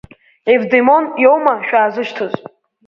Евдемон иоума шәаазышьҭыз?